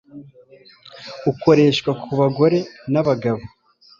Ukoreshwa ku bagore n'abagabo.